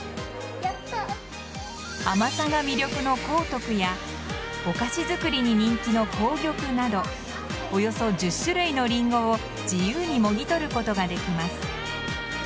甘さが魅力のこうとくやお菓子作りに人気の紅玉などおよそ１０種類のリンゴを自由にもぎ取ることができます。